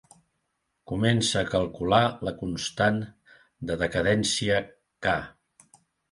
Comença a calcular la constant de decadència "K".